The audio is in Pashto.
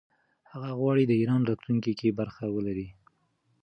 هغه غواړي د ایران راتلونکې کې برخه ولري.